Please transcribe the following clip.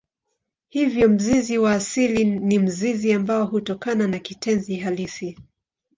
Hivyo mzizi wa asili ni mzizi ambao hutokana na kitenzi halisi.